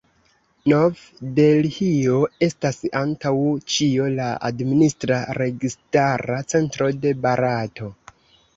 Nov-Delhio estas antaŭ ĉio la administra, registara centro de Barato.